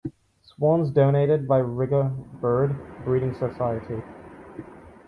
Swans donated by "Riga Bird Breeding Society".